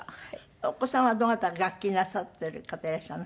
お子さんはどなたか楽器なさってる方いらっしゃるの？